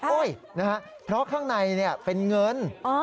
นะฮะเพราะข้างในเป็นเงิน